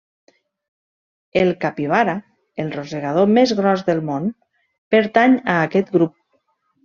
El capibara, el rosegador més gros del món, pertany a aquest grup.